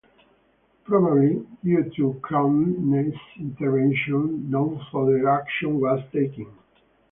Probably due to Croneiss' intervention, no further action was taken.